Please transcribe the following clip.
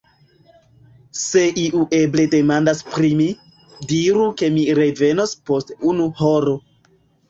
Se iu eble demandas pri mi, diru ke mi revenos post unu horo.